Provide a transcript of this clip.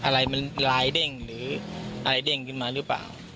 อะไรมันลายเด้งหรืออะไรเด้งขึ้นมาหรือเปล่า